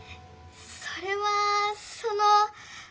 それはその。